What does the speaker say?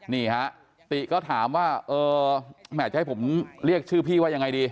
นี่ฮะติก็ถามว่าเออแหมจะให้ผมเรียกชื่อพี่ว่ายังไงดี